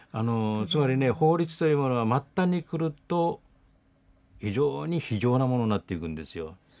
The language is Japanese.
つまりね法律というものは末端に来ると非常に非情なものになっていくんですよ。